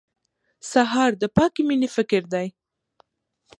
سهار د پاکې مېنې فکر دی.